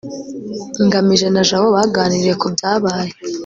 ngamije na jabo baganiriye ku byabaye